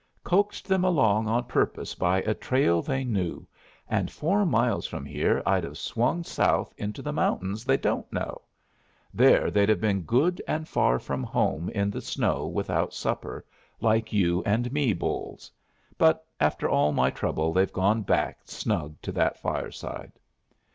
Coaxed them along on purpose by a trail they knew, and four miles from here I'd have swung south into the mountains they don't know. There they'd have been good and far from home in the snow without supper, like you and me, Bolles. But after all my trouble they've gone back snug to that fireside.